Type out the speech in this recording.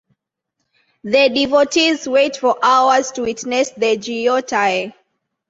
The devotees wait for hours to witness the Jyoti.